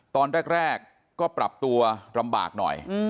ตอนแรกก็ปรับตัวลำบากหน่อย